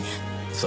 そう。